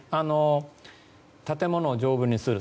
建物を丈夫にする。